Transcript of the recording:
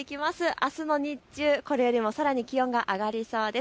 あすの日中、これよりもさらに気温が上がりそうです。